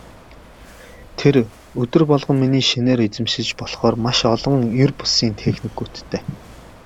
Тэр өдөр болгон миний шинээр эзэмшиж болохоор маш олон ер бусын техникүүдтэй.